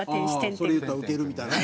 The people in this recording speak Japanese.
それ言うたらウケるみたいなね。